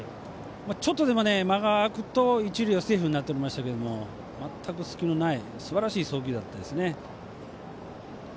ちょっとでも間が空くと一塁はセーフになってましたけど全く隙のないすばらしい送球でしたね。